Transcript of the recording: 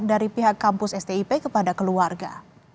dari pihak kampus stip kepada keluarga